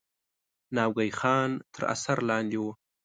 ناوګی خان تر اثر لاندې وو.